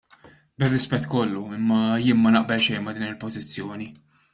Bir-rispett kollu, imma jien ma naqbel xejn ma' din il-pożizzjoni.